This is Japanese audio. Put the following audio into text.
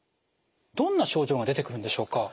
どんな症状が出てくるんでしょうか？